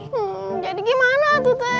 hmm jadi gimana tuh teh